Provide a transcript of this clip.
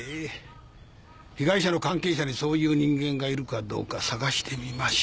被害者の関係者にそういう人間がいるかどうか探してみましょう。